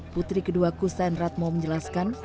putri kedua kusen ratmo menjelaskan